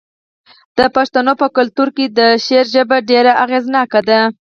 د پښتنو په کلتور کې د شعر ژبه ډیره اغیزناکه ده.